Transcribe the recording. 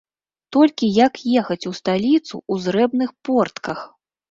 Толькі як ехаць у сталіцу ў зрэбных портках?